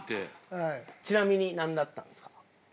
ちなみになんだったんですか？